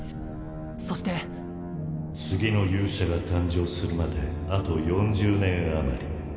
そして次の勇者が誕生するまであと４０年余り